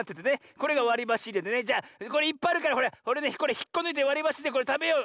これがわりばしいれでねじゃこれいっぱいあるからほれひっこぬいてわりばしでこれたべよう。